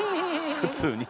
普通に。